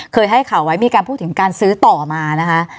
ให้ข่าวไว้มีการพูดถึงการซื้อต่อมานะคะ